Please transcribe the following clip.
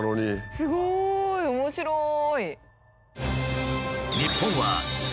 すごい！面白い！